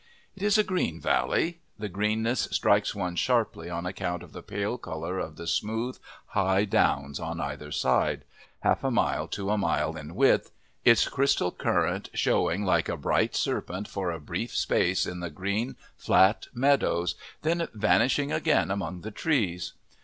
It is a green valley the greenness strikes one sharply on account of the pale colour of the smooth, high downs on either side half a mile to a mile in width, its crystal current showing like a bright serpent for a brief space in the green, flat meadows, then vanishing again among the trees.